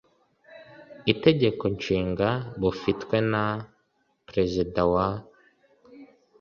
itegeko Nshinga bufitwe na Perezida wa